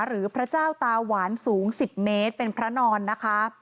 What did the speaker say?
หรือพระเจ้าตาหวานสูง๑๐เมตรเป็นพระนอนนะคะ